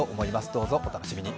どうぞお楽しみに。